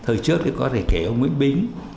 thời trước có thể kể ông nguyễn bính